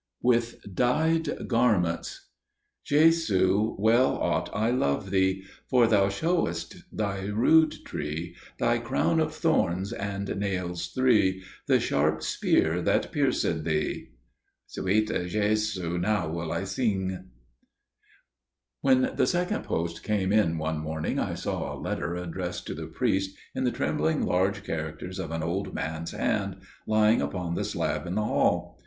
With Dyed Garments "Jesu, well ought I love Thee, For Thou me shewest Thy rood tree, Thy crown of thorns, and nails three, The sharp spear that piercéd Thee." Swete Jhesu now wil I Synge. With Dyed Garments WHEN the second post came in one morning I saw a letter addressed to the priest, in the trembling large characters of an old man's hand, lying upon the slab in the hall.